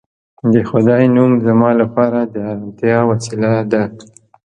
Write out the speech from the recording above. د خدای نوم زما لپاره د ارامتیا وسیله ده